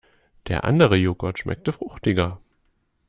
Der andere Joghurt schmeckte fruchtiger.